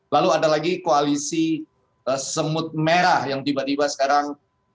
lalu ada lagi koalisi semut merah yang tiba tiba sekarang